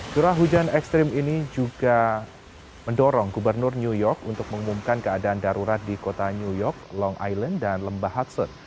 curah hujan ekstrim ini juga mendorong gubernur new york untuk mengumumkan keadaan darurat di kota new york long island dan lembah hatson